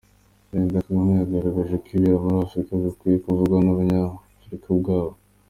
Perezida Kagame yagaragaje ko ibibera muri Afurika bikwiye kuvugwa n’abanyafurika ubwabo